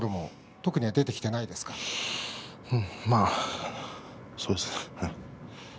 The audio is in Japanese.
まあ、そうですね。